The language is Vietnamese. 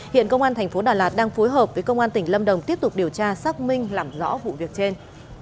hiện công an thành phố đà lạt đang phối hợp với công an tỉnh lâm đồng tiếp tục điều tra xác minh làm rõ vụ việc trên